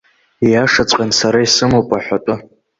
Ииашаҵәҟьан сара исымоуп аҳәатәы.